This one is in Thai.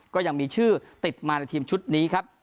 ก็ยังมีชื่อติดมาในทีมชุดนี้ครับ